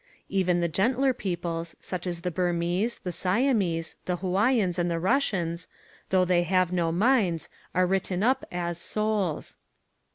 Even the gentler peoples such as the Burmese, the Siamese, the Hawaiians, and the Russians, though they have no minds are written up as souls.